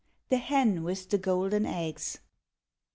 THE HEN WITH THE GOLDEN EGGS.